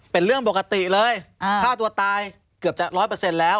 เป็นเรื่องปกติเลยฆ่าตัวตายเกือบจะร้อยเปอร์เซ็นต์แล้ว